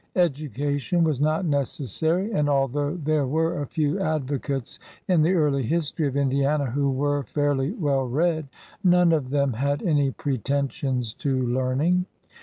Education was not necessary, and al though there were a few advocates in the early history of Indiana who were fairly well read, none of them had any pretentions to learning.